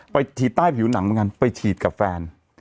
ฉีดใต้ผิวหนังเหมือนกันไปฉีดกับแฟน